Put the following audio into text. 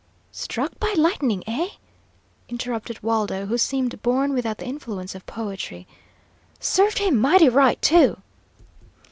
"Struck by lightning, eh?" interpreted Waldo, who seemed born without the influence of poetry. "Served him mighty right, too!"